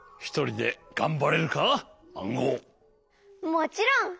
もちろん。